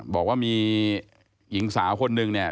บอกว่ามีหญิงสาวคนนึงเนี่ย